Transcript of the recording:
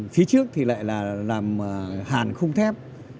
phía trước thì lại là làm hàn khung thép